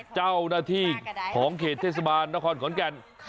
เจ้าหน้าที่ของเขตเทศบาลนครขอนแก่น